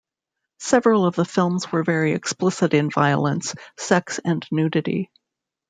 Several of the films were very explicit in violence, sex and nudity.